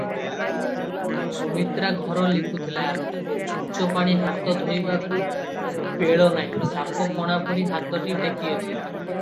ସୁମିତ୍ରାଘର ଲିପୁଥିଲା, ଛୂଞ୍ଚ ପାଣି ହାତ ଧୋଇବାକୁ ବେଳନାହିଁ, ସାପ ଫଣା ପରି ହାତଟି ଟେକିଅଛି ।